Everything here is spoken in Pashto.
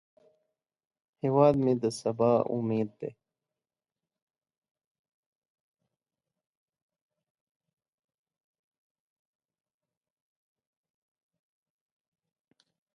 هیواد مې د سبا امید دی